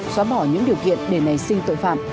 xóa bỏ những điều kiện để nảy sinh tội phạm